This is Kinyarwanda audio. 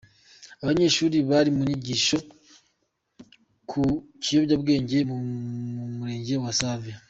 Abanyeshuri bari mu nyigisho ku biyobyabwenge mu murenge wa Save.